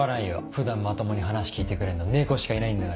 普段まともに話聞いてくれんの猫しかいないんだから。